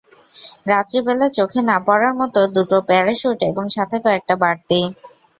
রাত্রিবেলা চোখে না পড়ার মতো দুটো প্যারাসুট এবং সাথে কয়েকটা বাড়তি।